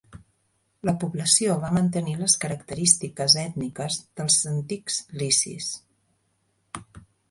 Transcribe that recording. La població va mantenir les característiques ètniques dels antics licis.